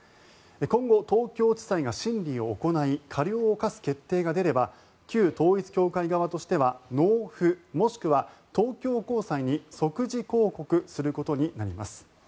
今後、東京地裁が審理を行い過料を科す決定が出れば旧統一教会側としては納付、もしくは東京高裁に即時抗告することになります。